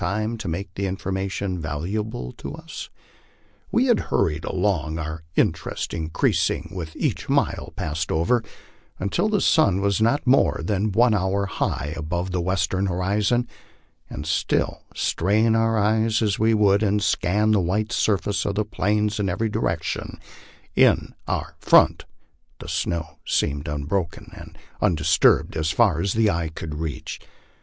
time to make the information valuable to us? We had hurried along, our interest increas ing with each mile passed over, until the sun was not more than one hour high above the western horizon ; and still, strain our eyes as we would, and scan the white surface of the plains in every direction in our front, the snow seemed unbroken and undisturbed as far as the eye could reach.